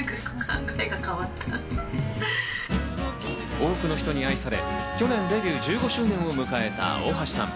多くの人に愛され、去年デビュー１５周年を迎えた大橋さん。